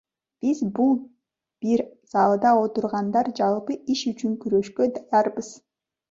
Биз, бул бир залда отургандар жалпы иш үчүн күрөшкө даярбыз.